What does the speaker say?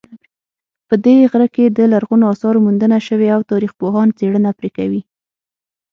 په دې غره کې د لرغونو آثارو موندنه شوې او تاریخپوهان څېړنه پرې کوي